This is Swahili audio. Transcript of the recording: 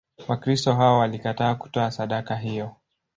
Wakristo hao walikataa kutoa sadaka hiyo.